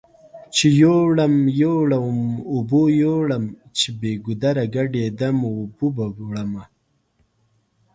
چې يوړم يوړم اوبو يوړم چې بې ګودره ګډ يدم اوبو به وړمه